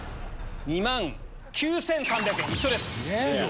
２万９３００円一緒です。